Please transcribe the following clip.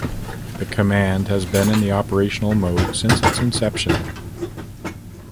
The command has been in the operational mode since its inception.